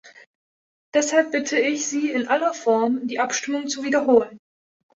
Deshalb bitte ich Sie in aller Form, die Abstimmung zu wiederholen.